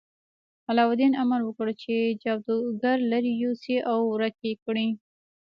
علاوالدین امر وکړ چې جادوګر لرې یوسي او ورک یې کړي.